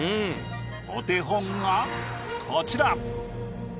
お手本がこちら。